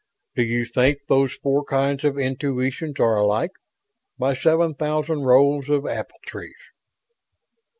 Do you think those four kinds of intuition are alike, by seven thousand rows of apple trees?"